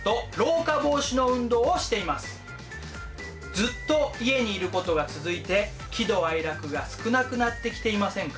ずっと家にいることが続いて喜怒哀楽が少なくなってきていませんか？